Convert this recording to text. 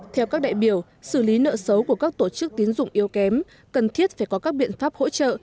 theo các đại biểu xử lý nợ xấu của các tổ chức tín dụng yếu kém cần thiết phải có các biện pháp hỗ trợ